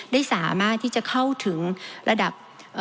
ได้สามารถที่จะเข้าถึงระดับ